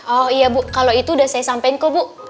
oh iya bu kalau itu udah saya sampaikan ke bu